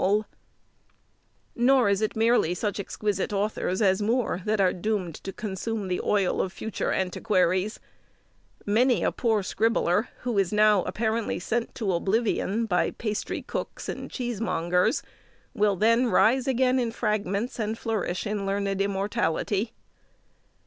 [Illustration: "Come, tell me, says Rosa, as kissing and kissed"] Nor is it merely such exquisite authors as Moore that are doomed to consume the oil of future antiquaries. Many a poor scribbler, who is now apparently sent to oblivion by pastry cooks and cheesemongers, will then rise again in fragments, and flourish in learned immortality.